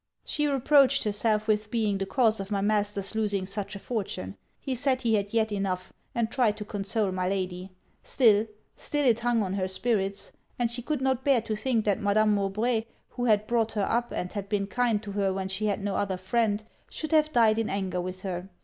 She reproached herself with being the cause of my master's losing such a fortune. He said he had yet enough; and tried to console my lady. Still, still it hung on her spirits; and she could not bear to think that Madame Mowbray, who had brought her up, and had been kind to her when she had no other friend, should have died in anger with her.